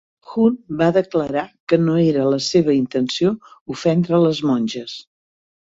Hunt va declarar que no era la seva intenció ofendre les monges.